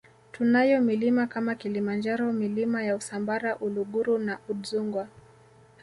Tunayo milima kama Kilimanjaro Milima ya Usambara Uluguru na Udzungwa